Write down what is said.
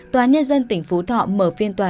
tòa nhân dân tỉnh phú thọ mở phiên tòa